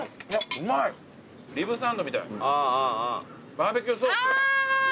バーベキューソース。